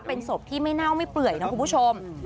เป็นศพที่ไม่เน่าไม่เปื่อยนะคุณผู้ชม